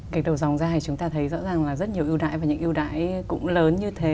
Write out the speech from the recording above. cách đầu dòng dài chúng ta thấy rõ ràng là rất nhiều ưu đãi và những ưu đãi cũng lớn như thế